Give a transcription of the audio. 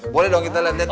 boleh dong kita liat liat